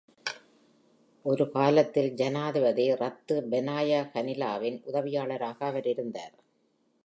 ஒரு காலத்தில் ஜனாதிபதி ரத்து பெனாயா கனிலாவின் உதவியாளராக அவர் இருந்தார்.